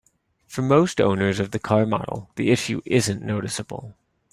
For most owners of the car model, the issue isn't noticeable.